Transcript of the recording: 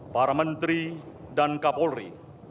para menteri dan kapolri